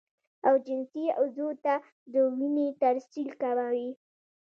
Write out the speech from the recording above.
او جنسي عضو ته د وينې ترسيل کموي